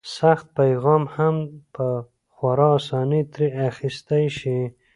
سخت پیغام هم په خورا اسانۍ ترې اخیستی شي.